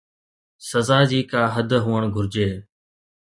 سزا جي ڪا حد هئڻ گهرجي